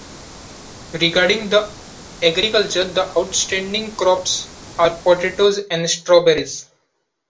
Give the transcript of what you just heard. Regarding the agriculture, the outstanding crops are potatoes and strawberries.